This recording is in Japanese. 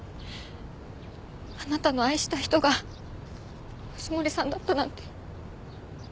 あなたの愛した人が藤森さんだったなんて。